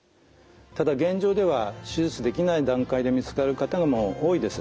ただ現状では手術できない段階で見つかる方も多いです。